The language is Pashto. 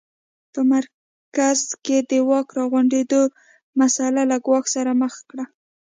په مرکز کې د واک راغونډېدو مسٔله له ګواښ سره مخ کړه.